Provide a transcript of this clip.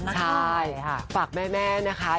ใช่ฝากแม่นะคะ